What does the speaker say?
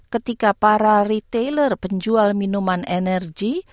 ketika para retailer penjual minuman energi